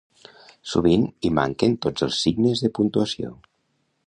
Sovint hi manquen tots els signes de puntuació.